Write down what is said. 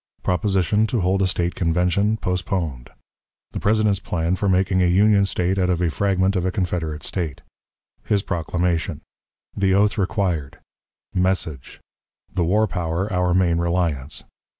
Proposition to hold a State Convention; postponed. The President's Plan for making a Union State out of a Fragment of a Confederate State. His Proclamation. The Oath required. Message. "The War Power our Main Reliance."